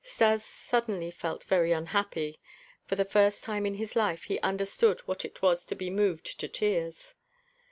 Stas suddenly felt very unhappy. For the first time in his life he understood what it was to be moved to tears.